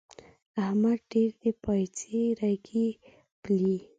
احمد ډېر د پايڅې رګی پالي.